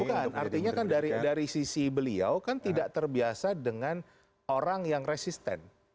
bukan artinya kan dari sisi beliau kan tidak terbiasa dengan orang yang resisten